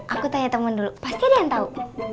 aku tanya temen dulu pasti ada yang tau